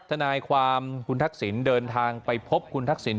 ทนายความคุณทักษิณเดินทางไปพบคุณทักษิณ